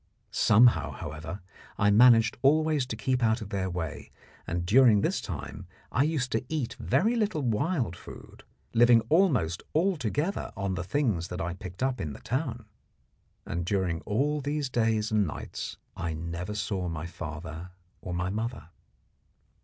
Somehow, however, I managed always to keep out of their way, and during this time I used to eat very little wild food, living almost altogether on the things that I picked up in the town. And during all these days and nights I never saw my father or my mother.